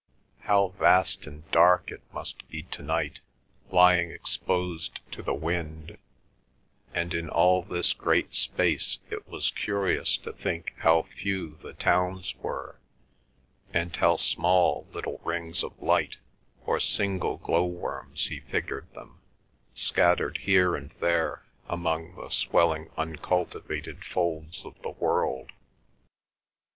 How vast and dark it must be tonight, lying exposed to the wind; and in all this great space it was curious to think how few the towns were, and how small little rings of light, or single glow worms he figured them, scattered here and there, among the swelling uncultivated folds of the world.